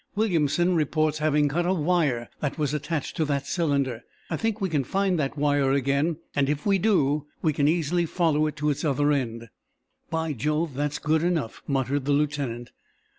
"Williamson reports having cut a wire that was attached to that cylinder. I think we can find that wire again, and, if we do, we can easily follow it to its other end." "By jove, that's good enough," muttered the lieutenant.